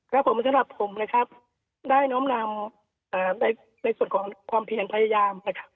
ครับผมสำหรับผมนะครับได้น้อมนำในส่วนของความเพียรพยายามนะครับ